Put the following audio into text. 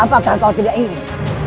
apakah kau tidak ingin